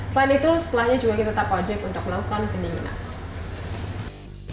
selain itu setelahnya juga kita tetap wajib untuk melakukan pendinginan